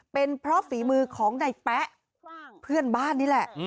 เป็นเพราะฝีมือของในแป๊ะเพื่อนบ้านนี่แหละ